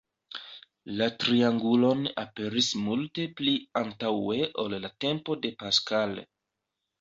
La triangulon aperis multe pli antaŭe ol la tempo de Pascal.